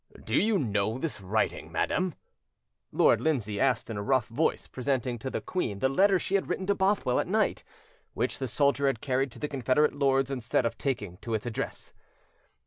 "Do you know this writing, madam?" Lord Lindsay asked in a rough voice, presenting to the queen the letter she had written to Bothwell at night, which the soldier had carried to the Confederate lords, instead of taking to its address.